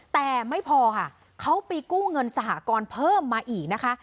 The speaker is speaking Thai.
แต่ไม่พอค่ะเขาไปกู้เงินสหกรณ์เพิ่มมาอีกนะคะ